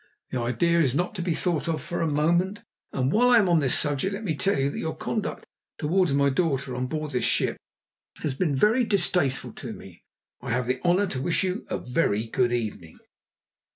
The idea is not to be thought of for a moment. And while I am on this subject let me tell you that your conduct towards my daughter on board this ship has been very distasteful to me. I have the honour to wish you a very good evening."